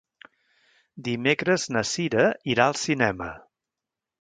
Dimecres na Cira irà al cinema.